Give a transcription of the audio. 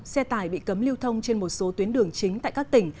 xe tải bị cấm lưu thông trên một số tuyến đường chính tại các tỉnh